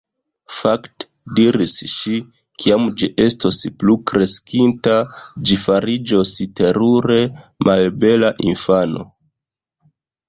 "Fakte," diris ŝi, "kiam ĝi estos plukreskinta ĝi fariĝos terure malbela infano. »